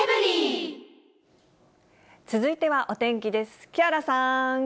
続いてはお天気です。